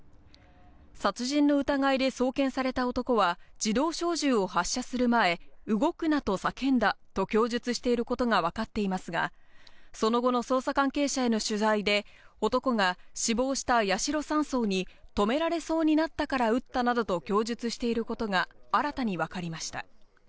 殺人の疑いで送検された男は自動小銃を発射する前動くなと叫んだと供述していることがわかっていますが、その後の捜査関係者への取材で男が死亡した八代３曹に止められそうになったから撃ったなどと供述していることが新たにわかりました。